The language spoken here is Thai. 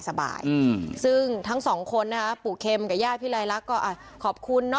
ซึ่งทั้งสองคนปู่เค็มกับย่าพี่ไรลักก็ขอบคุณ